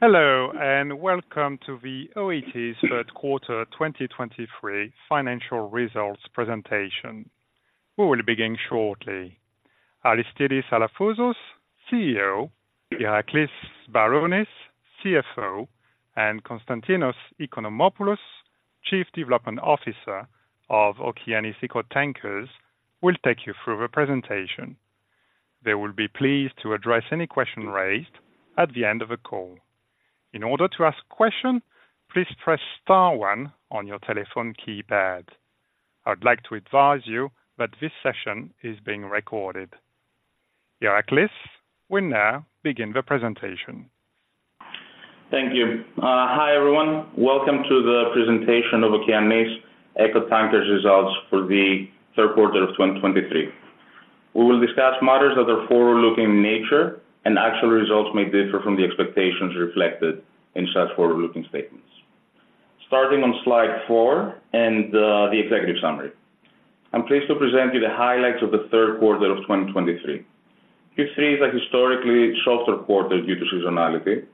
Hello, and welcome to the OET's third quarter 2023 financial results presentation. We will begin shortly. Aristidis Alafouzos, CEO, Iraklis Sbarounis, CFO, and Konstantinos Oikonomopoulos, Chief Development Officer of Okeanis Eco Tankers, will take you through the presentation. They will be pleased to address any question raised at the end of the call. In order to ask a question, please press star one on your telephone keypad. I would like to advise you that this session is being recorded. Iraklis, we now begin the presentation. Thank you. Hi, everyone. Welcome to the presentation of Okeanis Eco Tankers results for the third quarter of 2023. We will discuss matters that are forward-looking in nature, and actual results may differ from the expectations reflected in such forward-looking statements. Starting on slide 4 and the executive summary. I'm pleased to present you the highlights of the third quarter of 2023. Q3 is a historically softer quarter due to seasonality.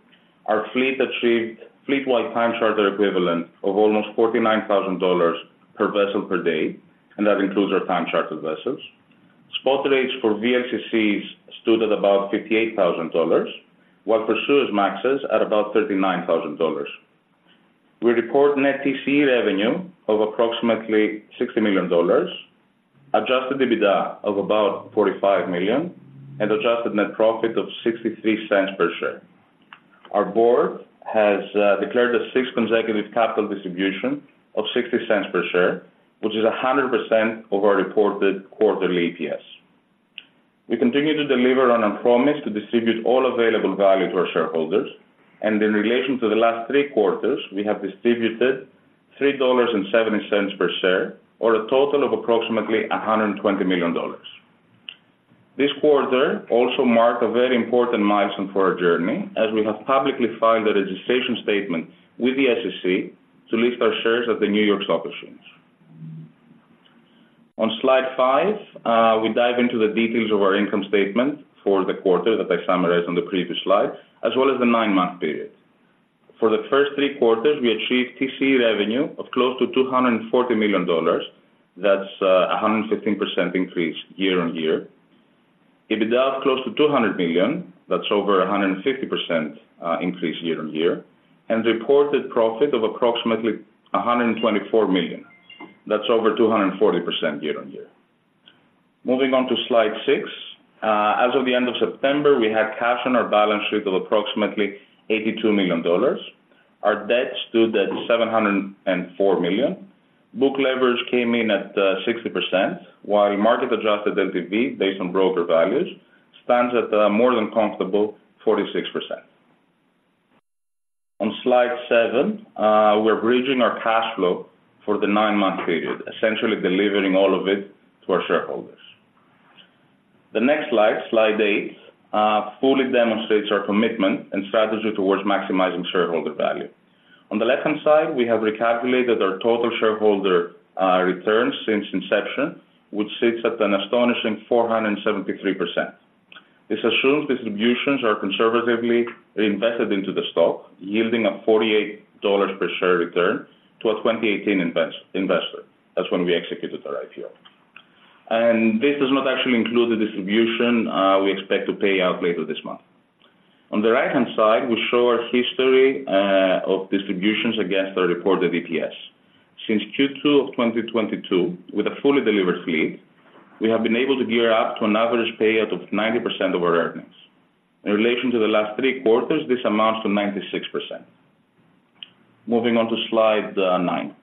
Our fleet achieved fleet-wide time charter equivalent of almost $49,000 per vessel per day, and that includes our time charter vessels. Spot rates for VLCCs stood at about $58,000, while for Suezmaxes, at about $39,000. We report net TCE revenue of approximately $60 million, adjusted EBITDA of about $45 million, and adjusted net profit of $0.63 per share. Our board has declared a sixth consecutive capital distribution of $0.60 per share, which is 100% of our reported quarterly EPS. We continue to deliver on our promise to distribute all available value to our shareholders, and in relation to the last three quarters, we have distributed $3.70 per share, or a total of approximately $120 million. This quarter also marked a very important milestone for our journey, as we have publicly filed a registration statement with the SEC to list our shares at the New York Stock Exchange. On slide 5, we dive into the details of our income statement for the quarter that I summarized on the previous slide, as well as the nine-month period. For the first three quarters, we achieved TCE revenue of close to $240 million. That's a 115% increase year-over-year. EBITDA of close to $200 million, that's over 150% increase year-over-year, and reported profit of approximately $124 million. That's over 240% year-over-year. Moving on to slide six. As of the end of September, we had cash on our balance sheet of approximately $82 million. Our debt stood at $704 million. Book leverage came in at 60%, while market-adjusted LTV, based on broker values, stands at a more than comfortable 46%. On slide seven, we're bridging our cash flow for the nine-month period, essentially delivering all of it to our shareholders. The next slide, slide eight, fully demonstrates our commitment and strategy towards maximizing shareholder value. On the left-hand side, we have recalculated our total shareholder returns since inception, which sits at an astonishing 473%. This assumes distributions are conservatively invested into the stock, yielding a $48 per share return to a 2018 investor. That's when we executed our IPO. And this does not actually include the distribution we expect to pay out later this month. On the right-hand side, we show our history of distributions against our reported EPS. Since Q2 of 2022, with a fully delivered fleet, we have been able to gear up to an average payout of 90% of our earnings. In relation to the last three quarters, this amounts to 96%. Moving on to slide 9.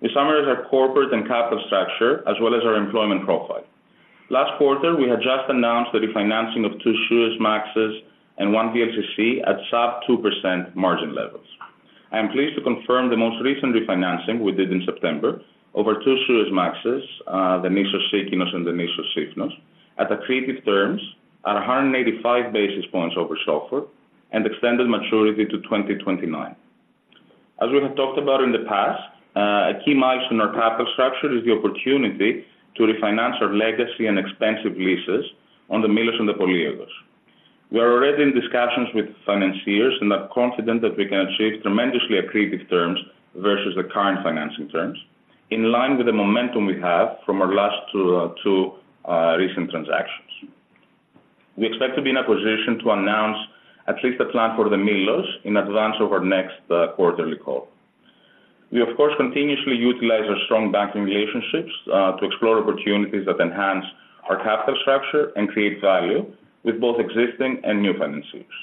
We summarize our corporate and capital structure, as well as our employment profile. Last quarter, we had just announced the refinancing of two Suezmaxes and one VLCC at sub-2% margin levels. I am pleased to confirm the most recent refinancing we did in September over two Suezmaxes, the Nissos Sikinos and the Nissos Sifnos, at accretive terms at 185 basis points over SOFR and extended maturity to 2029. As we have talked about in the past, a key milestone in our capital structure is the opportunity to refinance our legacy and expensive leases on the Milos and the Poliegos. We are already in discussions with financiers and are confident that we can achieve tremendously accretive terms versus the current financing terms, in line with the momentum we have from our last two recent transactions. We expect to be in a position to announce at least a plan for the Milos in advance of our next quarterly call. We, of course, continuously utilize our strong banking relationships to explore opportunities that enhance our capital structure and create value with both existing and new financiers.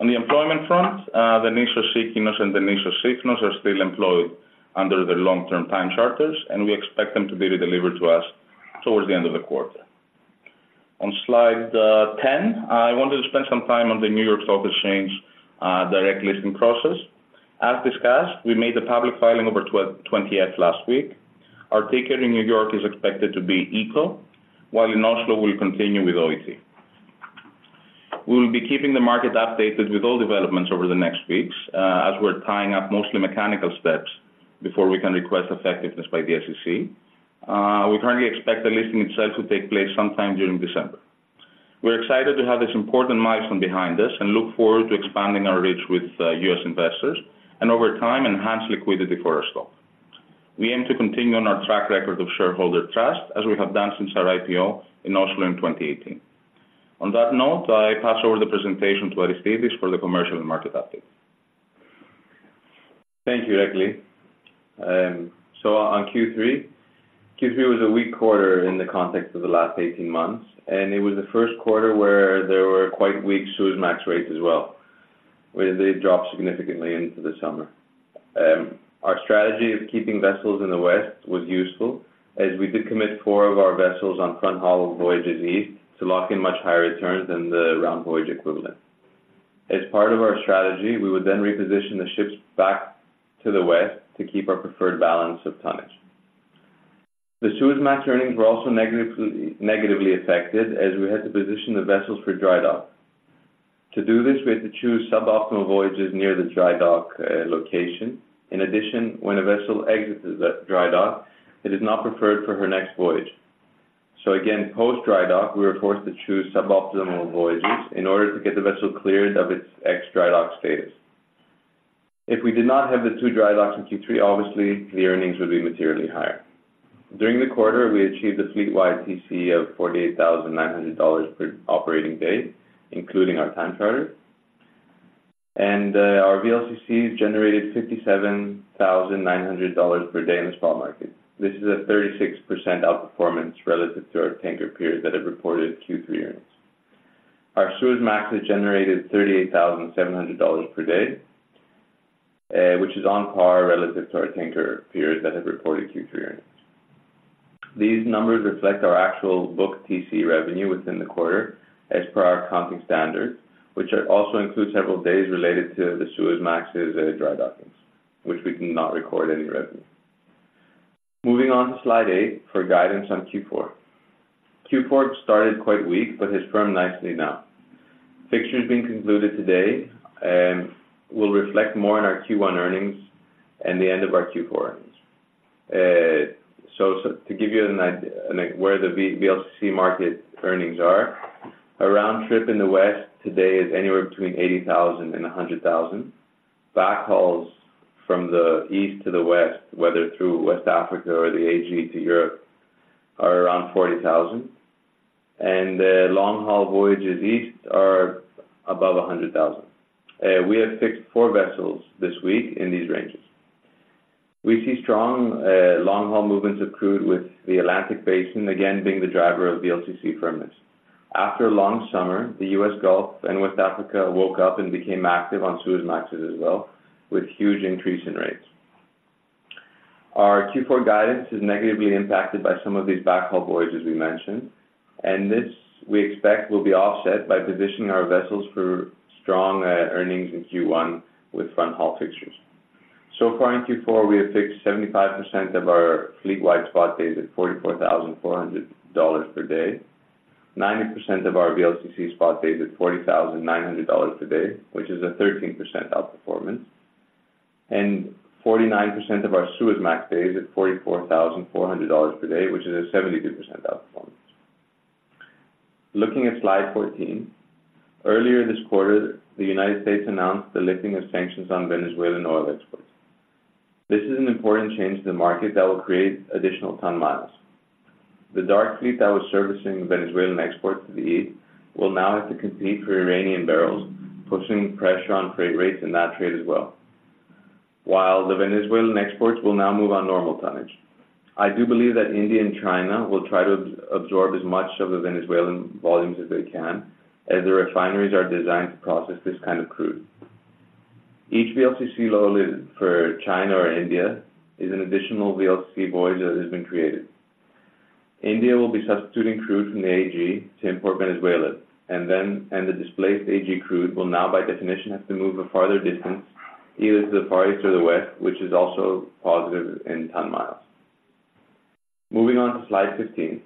On the employment front, the Nissos Sikinos and the Nissos Sifnos are still employed under their long-term time charters, and we expect them to be redelivered to us towards the end of the quarter. On slide 10, I wanted to spend some time on the New York Stock Exchange direct listing process. As discussed, we made the public filing over 20-F last week. Our ticker in New York is expected to be ECO, while in Oslo, we'll continue with OET. We will be keeping the market updated with all developments over the next weeks, as we're tying up mostly mechanical steps before we can request effectiveness by the SEC. We currently expect the listing itself to take place sometime during December. We're excited to have this important milestone behind us, and look forward to expanding our reach with U.S. investors, and over time, enhance liquidity for our stock. We aim to continue on our track record of shareholder trust, as we have done since our IPO in Oslo in 2018. On that note, I pass over the presentation to Aristidis for the commercial and market update. Thank you, Irakli. So on Q3, Q3 was a weak quarter in the context of the last eighteen months, and it was the first quarter where there were quite weak Suezmax rates as well, where they dropped significantly into the summer. Our strategy of keeping vessels in the West was useful, as we did commit four of our vessels on fronthaul voyages east to lock in much higher returns than the round voyage equivalent. As part of our strategy, we would then reposition the ships back to the West to keep our preferred balance of tonnage. The Suezmax earnings were also negatively, negatively affected as we had to position the vessels for dry dock. To do this, we had to choose suboptimal voyages near the dry dock location. In addition, when a vessel exits the dry dock, it is not preferred for her next voyage. So again, post dry dock, we were forced to choose suboptimal voyages in order to get the vessel cleared of its ex-dry dock status. If we did not have the two dry docks in Q3, obviously, the earnings would be materially higher. During the quarter, we achieved a fleet-wide TC of $48,900 per operating day, including our time charters. Our VLCCs generated $57,900 per day in the spot market. This is a 36% outperformance relative to our tanker peers that have reported Q3 earnings. Our Suezmax has generated $38,700 per day, which is on par relative to our tanker peers that have reported Q3 earnings. These numbers reflect our actual book TC revenue within the quarter as per our accounting standard, which are also include several days related to the Suezmaxes' dry dockings, which we cannot record any revenue. Moving on to slide 8, for guidance on Q4. Q4 started quite weak, but has firmed nicely now. Fixtures being concluded today will reflect more on our Q1 earnings and the end of our Q4 earnings. So to give you an idea on where the VLCC market earnings are, a round trip in the West today is anywhere between $80,000 and $100,000. Backhauls from the east to the west, whether through West Africa or the AG to Europe, are around $40,000. And long-haul voyages east are above $100,000. We have fixed 4 vessels this week in these ranges. We see strong, long-haul movements of crude, with the Atlantic Basin again being the driver of VLCC firmness. After a long summer, the U.S. Gulf and West Africa woke up and became active on Suezmaxes as well, with huge increase in rates. Our Q4 guidance is negatively impacted by some of these backhaul voyages we mentioned, and this, we expect, will be offset by positioning our vessels for strong, earnings in Q1 with front haul fixtures. So far in Q4, we have fixed 75% of our fleet-wide spot days at $44,400 per day, 90% of our VLCC spot days at $40,900 per day, which is a 13% outperformance, and 49% of our Suezmax days at $44,400 per day, which is a 72% outperformance. Looking at slide 14. Earlier this quarter, the United States announced the lifting of sanctions on Venezuelan oil exports. This is an important change to the market that will create additional ton miles. The dark fleet that was servicing Venezuelan exports to the east will now have to compete for Iranian barrels, pushing pressure on freight rates in that trade as well. While the Venezuelan exports will now move on normal tonnage, I do believe that India and China will try to absorb as much of the Venezuelan volumes as they can, as the refineries are designed to process this kind of crude. Each VLCC loaded for China or India is an additional VLCC voyage that has been created. India will be substituting crude from the AG to import Venezuelan, and then and the displaced AG crude will now, by definition, have to move a farther distance, either to the Far East or the West, which is also positive in ton miles. Moving on to slide 15.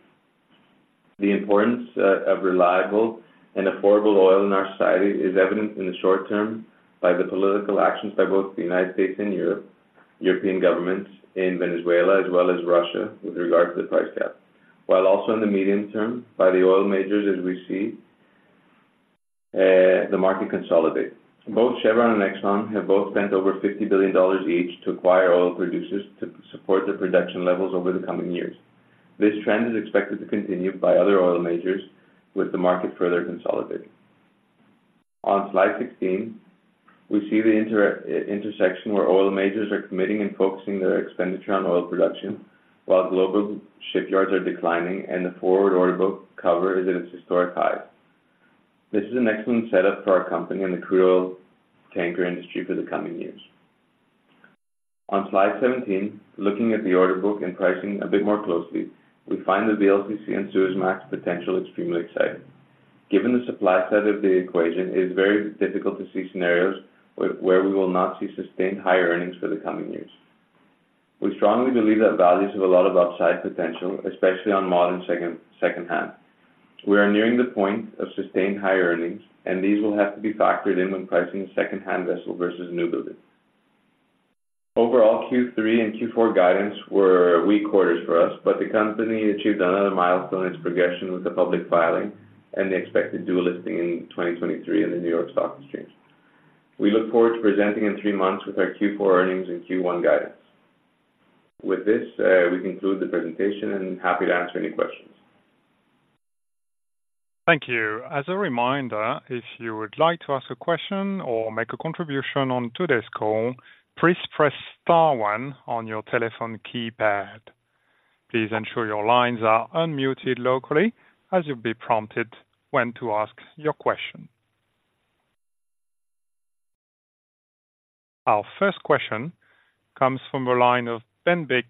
The importance of reliable and affordable oil in our society is evident in the short term by the political actions by both the United States and Europe, European governments in Venezuela, as well as Russia, with regard to the price cap. While also in the medium term, by the oil majors, as we see, the market consolidate. Both Chevron and Exxon have both spent over $50 billion each to acquire oil producers to support their production levels over the coming years. This trend is expected to continue by other oil majors, with the market further consolidating. On slide 16, we see the intersection where oil majors are committing and focusing their expenditure on oil production, while global shipyards are declining and the forward order book cover is at its historic high. This is an excellent setup for our company and the crude oil tanker industry for the coming years. On slide 17, looking at the order book and pricing a bit more closely, we find the VLCC and Suezmax potential extremely exciting. Given the supply side of the equation, it is very difficult to see scenarios where we will not see sustained higher earnings for the coming years. We strongly believe that values have a lot of upside potential, especially on modern second-hand. We are nearing the point of sustained high earnings, and these will have to be factored in when pricing second-hand vessel versus new building. Overall, Q3 and Q4 guidance were weak quarters for us, but the company achieved another milestone in its progression with the public filing and the expected dual listing in 2023 in the New York Stock Exchange. We look forward to presenting in three months with our Q4 earnings and Q1 guidance. With this, we conclude the presentation, and happy to answer any questions. Thank you. As a reminder, if you would like to ask a question or make a contribution on today's call, please press star one on your telephone keypad. Please ensure your lines are unmuted locally as you'll be prompted when to ask your question. Our first question comes from the line of Bendik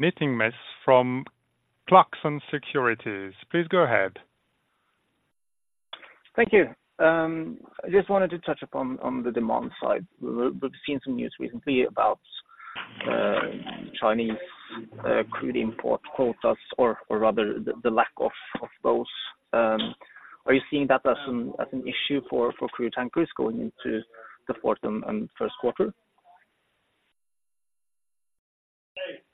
Nygaard Bansø from Clarksons Securities. Please go ahead. Thank you. I just wanted to touch upon the demand side. We've seen some news recently about Chinese crude import quotas or rather, the lack of those. Are you seeing that as an issue for crude tankers going into the fourth and first quarter?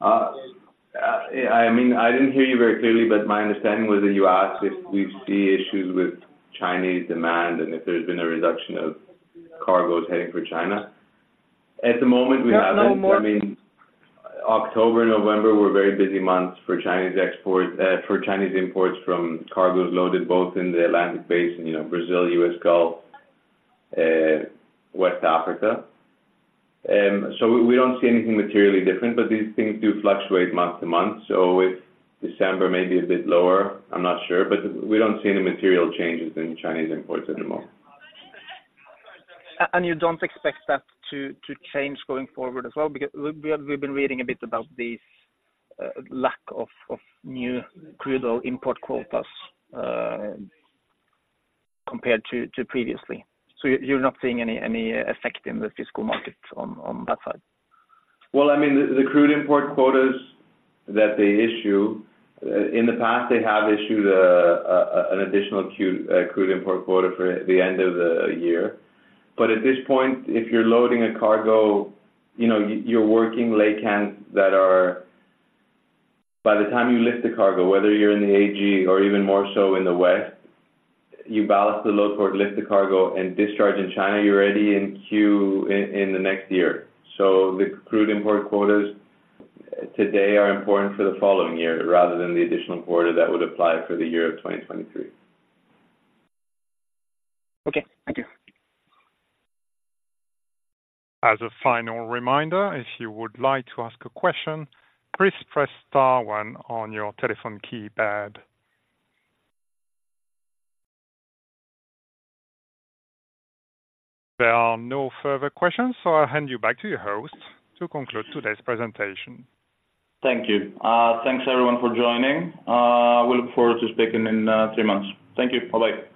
I mean, I didn't hear you very clearly, but my understanding was that you asked if we see issues with Chinese demand and if there's been a reduction of cargoes heading for China. At the moment, we haven't- Not anymore. I mean, October, November were very busy months for Chinese exports, for Chinese imports from cargoes loaded both in the Atlantic Basin, you know, Brazil, U.S. Gulf, West Africa. So we don't see anything materially different, but these things do fluctuate month to month, so with December may be a bit lower, I'm not sure, but we don't see any material changes in Chinese imports at the moment. And you don't expect that to change going forward as well? Because we have been reading a bit about these lack of new crude oil import quotas compared to previously. So you're not seeing any effect in the physical markets on that side? Well, I mean, the, the crude import quotas that they issue, in the past, they have issued, an additional crude, crude import quota for the end of the year. But at this point, if you're loading a cargo, you know, you're working laycans that are... By the time you lift the cargo, whether you're in the AG or even more so in the West, you balance the load port, lift the cargo, and discharge in China, you're already in queue in the next year. So the crude import quotas today are important for the following year rather than the additional quarter that would apply for the year of 2023. Okay, thank you. As a final reminder, if you would like to ask a question, please press star one on your telephone keypad. There are no further questions, so I'll hand you back to your host to conclude today's presentation. Thank you. Thanks, everyone, for joining. We look forward to speaking in three months. Thank you. Bye-bye.